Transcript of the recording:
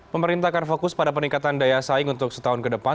pemerintah akan fokus pada peningkatan daya saing untuk setahun ke depan